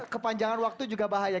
kepanjangan waktu juga bahaya